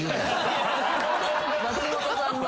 松本さんの。